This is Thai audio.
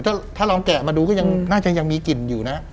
ถ้าลองแกะมาดูก็ยังน่าจะยังมีกลิ่นอยู่นะ